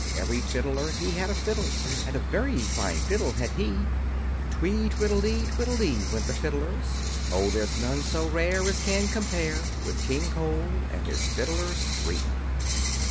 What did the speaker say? Every fiddler, he had a fiddle, And a very fine fiddle had he; Twee tweedle dee, tweedle dee, went the fiddlers. Oh, there's none so rare, As can compare With King Cole and his fiddlers three.